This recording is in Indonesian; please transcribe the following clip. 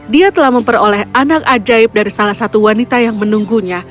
dia telah memperoleh anak ajaib dari salah satu wanita yang menunggunya